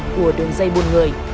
của đường dây buồn người